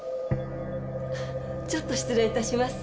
ちょっと失礼致します。